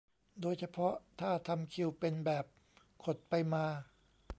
โดยเฉพาะถ้าทำคิวเป็นแบบขดไปมา